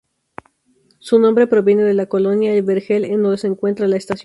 Su nombre proviene de la colonia El Vergel en donde se encuentra la estación.